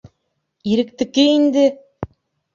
— Иректеке инде!